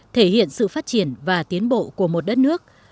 thể hiện sự phát triển và tiến bộ của một đất nước